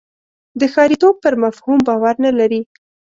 د ښاریتوب پر مفهوم باور نه لري.